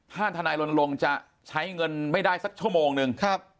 ถ้าธนายโรนโลงจะใช้เงินไม่ได้สักชั่วโมงหนึ่ง